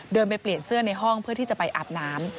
ไปเปลี่ยนเสื้อในห้องเพื่อที่จะไปอาบน้ำ